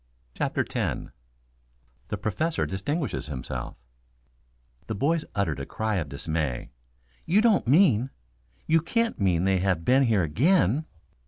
CHAPTER X THE PROFESSOR DISTINGUISHES HIMSELF The boys uttered a cry of dismay. "You don't mean you can't mean they have been here again?"